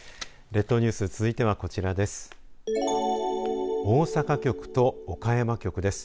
列島ニュース続いては、こちらです。